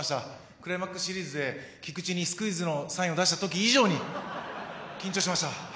クライマックスシリーズで、菊池にスクイズのサインを出したとき以上に緊張しました。